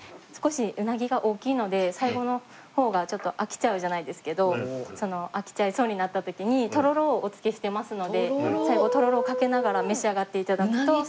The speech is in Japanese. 少しうなぎが大きいので最後の方がちょっと飽きちゃうじゃないですけど飽きちゃいそうになった時にとろろをお付けしてますので最後とろろをかけながら召し上がって頂くと。